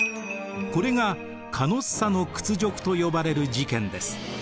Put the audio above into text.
これがカノッサの屈辱と呼ばれる事件です。